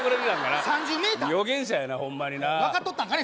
３０メーター予言者やなホンマにな分かっとったんかね